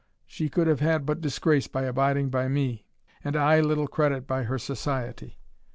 She could have had but disgrace by abiding by me, and I little credit by her society.